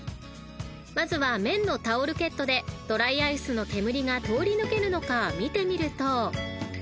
［まずは綿のタオルケットでドライアイスの煙が通り抜けるのか見てみると］